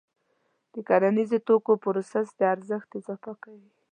د کرنیزو توکو پروسس د ارزښت اضافه کوي.